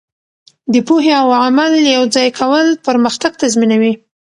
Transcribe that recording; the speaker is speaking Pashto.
د پوهې او عمل یوځای کول پرمختګ تضمینوي.